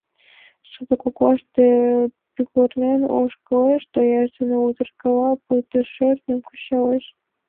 Шудо коклаште пӱгырнен ошкылеш, тояж дене удыркала, пуйто шӧртньым кычалеш.